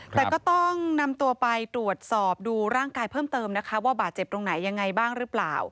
แต่ก็ต้องนำตัวไปตรวจสอบดูร่างกายเพิ่มเติมนะคะว่าบาดเจ็บตรงไหนยังไงบ้างหรือเปล่า